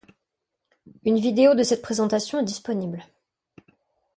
Une vidéo de cette présentation est disponible.